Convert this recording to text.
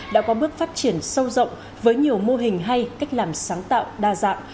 đã có bước phát triển sâu rộng với nhiều mô hình hay cách làm sáng tạo đa dạng